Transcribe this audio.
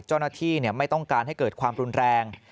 เจ้าหน้าที่ไม่ต้องการให้เกิดความรุนแรง